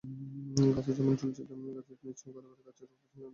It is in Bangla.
গাছে যেমন ঝুলছে, গাছের নিচেও গড়াগড়ি খাচ্ছে রক্ত-স্যালাইনের ব্যাগসহ আরও অনেক বর্জ্য।